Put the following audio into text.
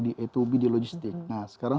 di a dua b di logistik nah sekarang